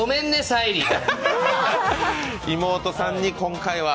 妹さんに、今回は。